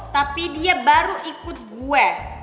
tapi dia baru ikut gue